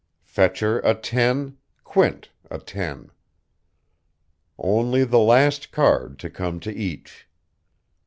Fetcher a ten, Quint a ten. Only the last card to come to each.